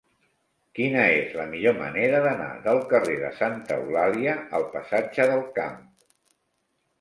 Quina és la millor manera d'anar del carrer de Santa Eulàlia al passatge del Camp?